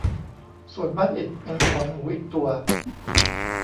ส่วนบ้านอิฐเป็นของหมูอีกตัว